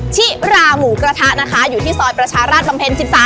ชิราหมูกระทะนะคะอยู่ที่ซอยประชาราชบำเพ็ญ๑๓